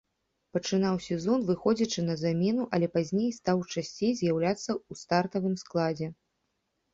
Пачынаў сезон, выходзячы на замену, але пазней стаў часцей з'яўляцца ў стартавым складзе.